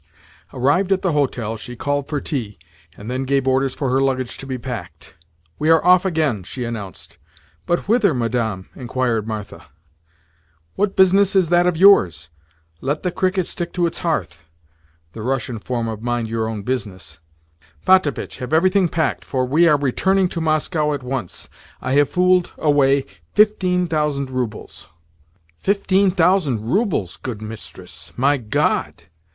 Arrived at the hotel, she called for tea, and then gave orders for her luggage to be packed. "We are off again," she announced. "But whither, Madame?" inquired Martha. "What business is that of yours? Let the cricket stick to its hearth. Potapitch, have everything packed, for we are returning to Moscow at once. I have fooled away fifteen thousand roubles." The Russian form of "Mind your own business." "Fifteen thousand roubles, good mistress? My God!"